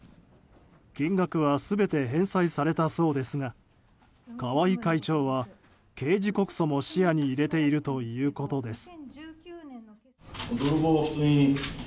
金額は全て返済されたそうですが河合会長は刑事告訴も視野に入れているということです。